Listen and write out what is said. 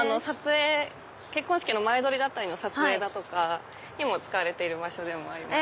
結婚式の前撮りの撮影だとかにも使われている場所でもあります。